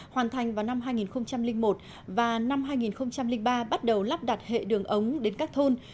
hoàn thành vào năm hai nghìn một và năm hai nghìn ba bắt đầu lắp đặt hệ đường ống đến các thôn